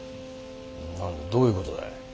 何だどういうことだい。